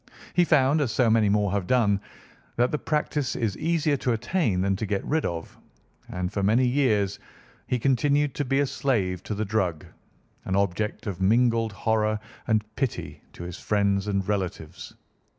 He found, as so many more have done, that the practice is easier to attain than to get rid of, and for many years he continued to be a slave to the drug, an object of mingled horror and pity to his friends and relatives.